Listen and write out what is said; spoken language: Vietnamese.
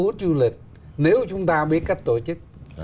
và rất thu hút du lịch nếu chúng ta biết cách tổ chức